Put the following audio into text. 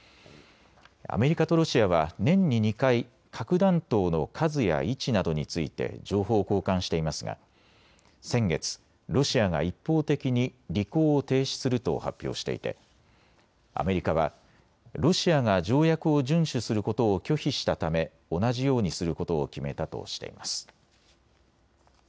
アメリカとロシアは年に２回核弾頭の数や位置などについて情報を交換していますが先月ロシアが一方的に履行を停止すると発表していてアメリカはロシアが条約を順守することを拒否したため同じようにすることを決めたとしています。